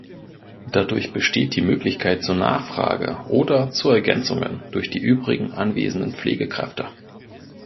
Dadurch besteht die Möglichkeit zur Nachfrage oder zu Ergänzungen durch die übrigen anwesenden Pflegekräfte.